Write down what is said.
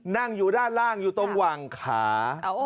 นั่งอยู่ด้านล่างอยู่ตรงหว่างขา